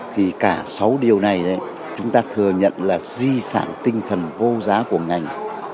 thì cả sáu điều này chúng ta thừa nhận là di sản tinh thần vô giá của ngành